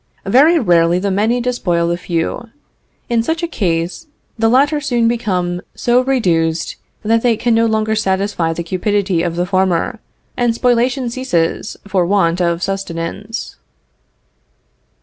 Very rarely the many despoil the few. In such a case the latter soon become so reduced that they can no longer satisfy the cupidity of the former, and spoliation ceases for want of sustenance.